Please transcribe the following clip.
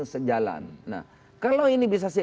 sejalan nah kalau ini bisa